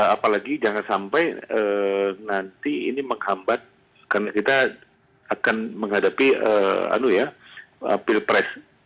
apalagi jangan sampai nanti ini menghambat karena kita akan menghadapi pilpres